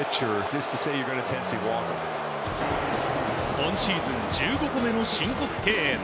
今シーズン１５個目の申告敬遠。